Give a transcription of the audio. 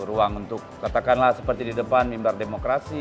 ruang untuk katakanlah seperti di depan mimbar demokrasi